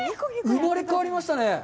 生まれ変わりましたね。